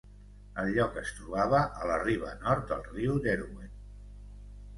El lloc es trobava a la riba nord del riu Derwent.